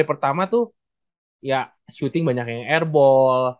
yang pertama tuh ya shooting banyak yang airball